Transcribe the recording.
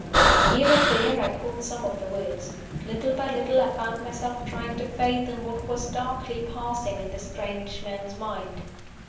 Here and there I caught some of the words. Little by little I found myself trying to fathom what was darkly passing in this strange man's mind.